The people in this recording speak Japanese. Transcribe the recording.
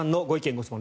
・ご質問